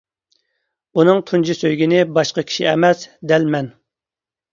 ئۇنىڭ تۇنجى سۆيگىنى باشقا كىشى ئەمەس، دەل مەن.